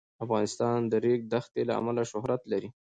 افغانستان د د ریګ دښتې له امله شهرت لري.